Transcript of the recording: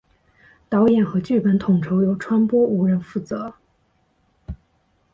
导演和剧本统筹由川波无人负责。